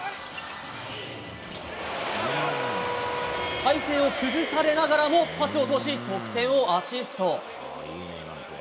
体勢を崩されながらもパスを通し得点をアシスト。